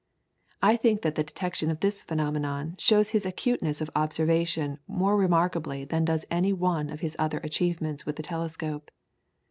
I think that the detection of this phenomenon shows his acuteness of observation more remarkably than does any one of his other achievements with the telescope.